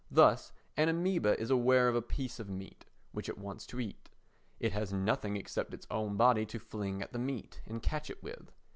Thus an amœba is aware of a piece of meat which it wants to eat. It has nothing except its own body to fling at the meat and catch it with.